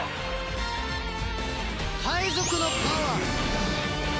海賊のパワー！